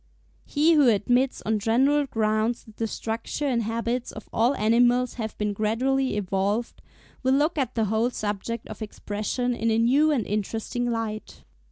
He who admits on general grounds that the structure and habits of all animals have been gradually evolved, will look at the whole subject of Expression in a new and interesting light.